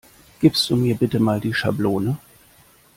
Gibst du mir bitte mal die Schablone?